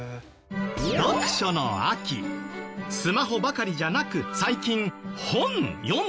読書の秋スマホばかりじゃなく最近本読んでます？